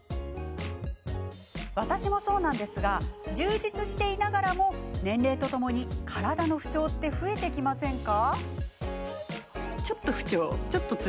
私もそうなんですが充実していながらも年齢とともに体の不調って増えてきませんか？